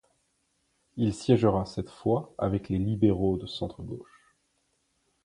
Il siégera cette fois avec les libéraux de centre gauche.